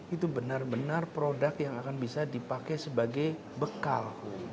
itu benar benar produk yang akan bisa dipakai sebagai bekal